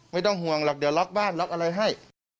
ไม่ต้องห่วงหรอกเดี๋ยวล็อกบ้านล็อกอะไรให้